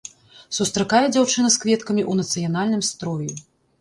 Сустракае дзяўчына з кветкамі ў нацыянальным строі.